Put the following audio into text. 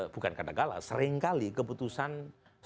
bukan kadangkala seringkali keputusannya